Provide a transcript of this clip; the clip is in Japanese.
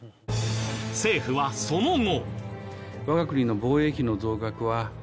政府はその後。